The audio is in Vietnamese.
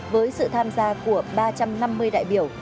với sự tham gia của ba trăm năm mươi đại biểu